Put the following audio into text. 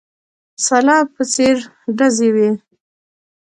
سلاب په څېر ډزې وې.